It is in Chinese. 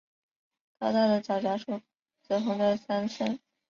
高大的皂荚树，紫红的桑葚